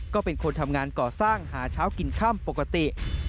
ก็เป็นคนทำงานก่อสร้างหาเช้ากินค่ำปกติ